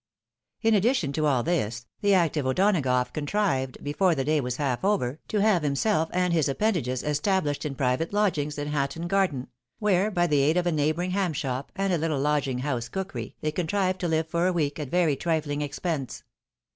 In addition to all this, the active O'Donagough contrived, before the day was. half over, to have himself and his appen dages established in private lodgings in Hatton garden, where, by the aid of a neighbouring ham shop, and a httle lodging house cookery, they contrived to live for a week at very trifling expense.